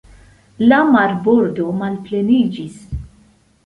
La marbordo malpleniĝis.